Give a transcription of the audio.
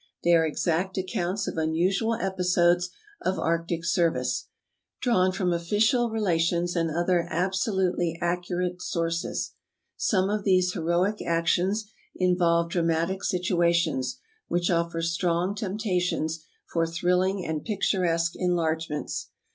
They are exact accounts of unusual episodes of arctic service, drawn from official relations and other abso lutely accurate sources. Some of these heroic actions involve dramatic situations, which offer strong temp tations for thrilling and picturesque enlargements.